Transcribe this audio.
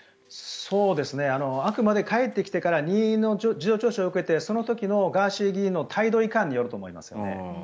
あくまで帰ってきてから任意の事情聴取を受けてその時のガーシー議員の態度いかんによると思いますね。